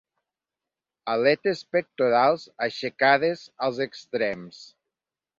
Aletes pectorals aixecades als extrems.